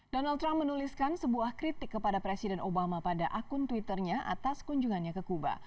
donald trump menuliskan sebuah kritik kepada presiden obama pada akun twitternya atas kunjungannya ke kuba